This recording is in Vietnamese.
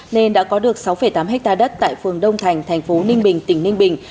nên đã có được sáu tám hectare đất tại phường đông thành thành phố ninh bình tỉnh ninh bình